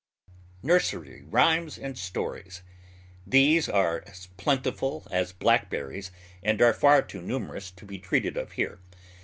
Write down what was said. NURSERY RHYMES AND STORIES. These are as plentiful as blackberries, and are far too numerous to be treated of here.